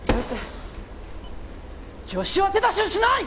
助手は手出しをしない！